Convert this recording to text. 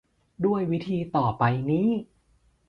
ด้วยวิธีต่อไปนี้